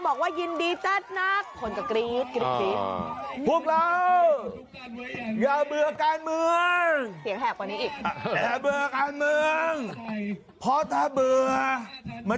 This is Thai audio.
เพราะถ้าเบื่อ